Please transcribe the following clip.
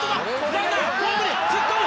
ランナーホームに突っ込む！